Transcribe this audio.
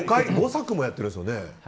５作もやってるんですよね。